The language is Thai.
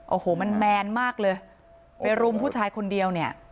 โอ้โหมันแมนมากเลยไปรุมผู้ชายคนเดียวเนี่ย